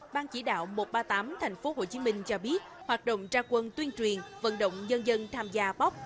ban chỉ đạo một trăm ba mươi tám tp hcm cho biết hoạt động tra quân tuyên truyền vận động dân dân tham gia bóc